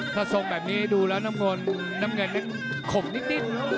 ถ้าทรงแบบนี้ดูแล้วน้ำเงินแข่งขมนิด